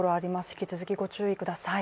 引き続きご注意ください。